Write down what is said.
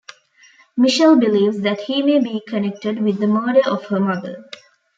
Michelle believes that he may be connected with the murder of her mother.